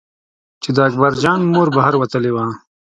چې د اکبر جان مور بهر وتلې وه.